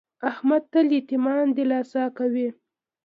احمد تل یتمیان دلاسه کوي.